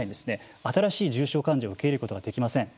新しい重症患者を受け入れることができません。